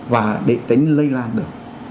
và để tính lây lan được